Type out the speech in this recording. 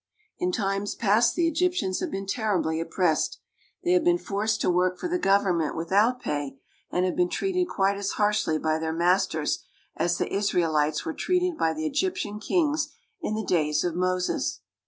« In times past the Egyptians have been terribly op pressed. They have been forced to work for the govern ment without pay, and have been treated quite as harshly by their masters as the Israelites were treated by the Egyptian kings in the days of Moses.